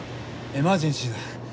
エマージェンシーだ。